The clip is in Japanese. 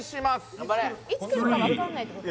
頑張れいつくるか分かんないってこと？